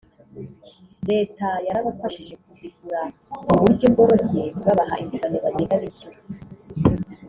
Leta yarabafashije kuzigura mu buryo bworoshye babaha inguzanyo bagenda bishyura